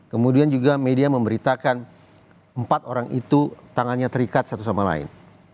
kemudian juga media memberitakan empat orang itu tangannya terikat satu sama lain